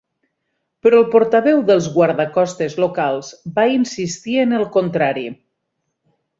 Però el portaveu dels guardacostes locals, va insistir en el contrari.